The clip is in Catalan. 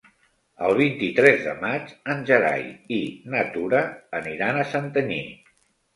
El vint-i-tres de maig en Gerai i na Tura aniran a Santanyí.